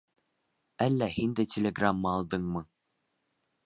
Әллә һин дә телеграмма алдыңмы?